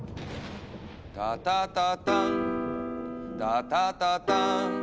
「タタタターンタタタターン」」